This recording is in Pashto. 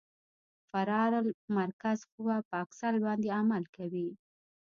فرار المرکز قوه په اکسل باندې عمل کوي